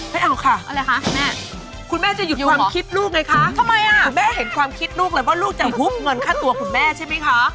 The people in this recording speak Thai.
ไม่เอาค่ะคุณแม่จะหยุดความคิดลูกไงคะคุณแม่เห็นความคิดลูกเลยว่าลูกจะหุบเงินค่าตัวคุณแม่ใช่ไหมคะ